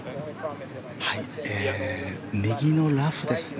右のラフですね。